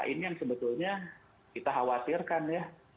ini yang sebetulnya kita khawatirkan ya